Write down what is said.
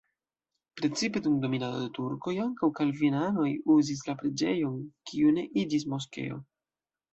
Precipe dum dominado de turkoj ankaŭ kalvinanoj uzis la preĝejon, kiu ne iĝis moskeo.